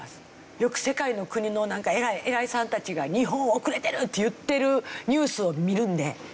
よく世界の国の偉いさんたちが日本遅れてるって言ってるニュースを見るんで。